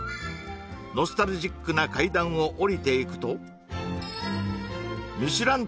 ノスタルジックな階段を下りていくとミシュラン